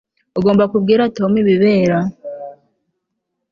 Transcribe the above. Ugomba kubwira Tom ibibera